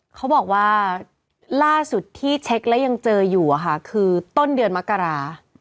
เขาบอกว่าล่าสุดที่เช็คแล้วยังเจออยู่คือต้นเดือนมกรา